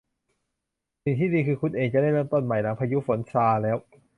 สิ่งที่ดีก็คือคุณเองจะได้เริ่มต้นใหม่หลังพายุฝนซาแล้ว